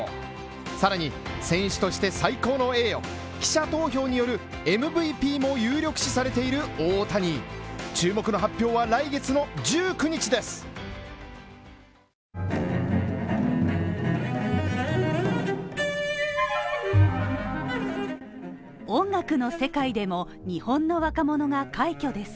さらに選手として最高の栄誉記者投票によるＭＶＰも有力視されている大谷注目の発表は来月の１９日です。